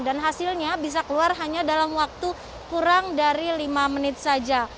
dan hasilnya bisa keluar hanya dalam waktu kurang dari lima menit saja